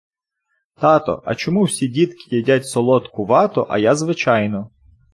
Тато, а чому всі дітки їдять солодку вату, а я звичайну?